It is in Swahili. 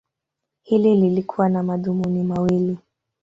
Hili lilikuwa na madhumuni mawili.